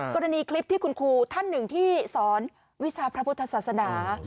กรณีคลิปที่คุณครูท่านหนึ่งที่สอนวิชาพระพุทธศาสนา